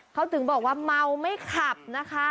เขาถึงบอกว่าเมาไม่ขับนะคะ